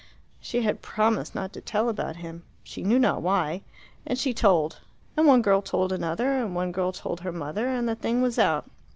She had promised not to tell about him she knew not why and she told. And one girl told another, and one girl told her mother, and the thing was out.